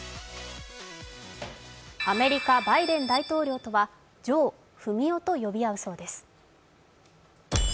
アメリカ・バイデン大統領とはジョー、フミオと呼び合うそうです